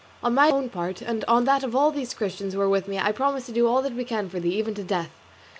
On my own part, and on that of all these Christians who are with me, I promise to do all that we can for thee, even to death.